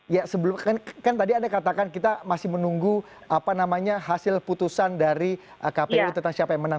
ya sebelum kan tadi anda katakan kita masih menunggu hasil putusan dari kpu tentang siapa yang menang